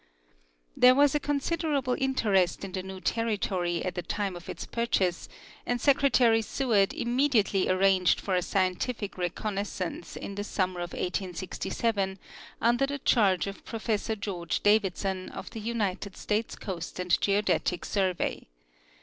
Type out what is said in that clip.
There was a considerable interest in the new territory at the time of its purchase, and Secretary Seward immediately arranged for a scientific reconnaissance in the summer of 1867 under the charge of Professor George Davidson, of the United States Coast and Geodetic Survey.